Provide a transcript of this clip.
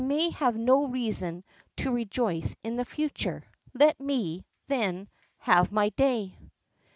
I may have no reason to rejoice in the future. Let me, then, have my day."